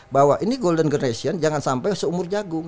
bahwa ini golden generation jangan sampai seumur jagung